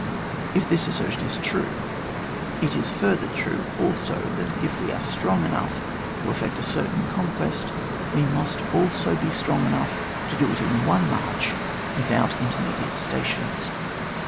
If this assertion is true, it is f^her true also that if we are strong enough to effect a certain conquest, we must also be strong enough to do it in one march without intermediate stations.